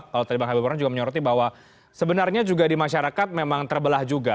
kalau tadi bang habiburan juga menyoroti bahwa sebenarnya juga di masyarakat memang terbelah juga